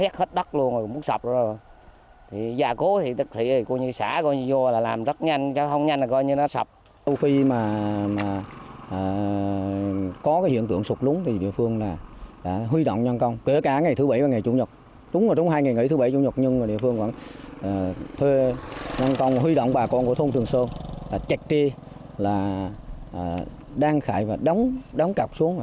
thuê nâng công huy động bà con của thông tường sơn chạy đi đăng khải và đóng cọc xuống